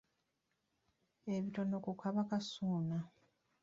Ebitono ku Kabaka Ssuuna.